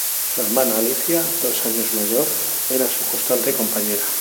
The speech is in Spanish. Su hermana Alicia dos años mayor, era su constante compañera.